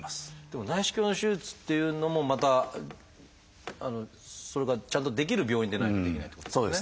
でも内視鏡の手術っていうのもまたそれがちゃんとできる病院でないとできないってことですよね。